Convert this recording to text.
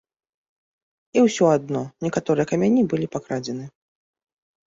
І ўсё адно, некаторыя камяні былі пакрадзены.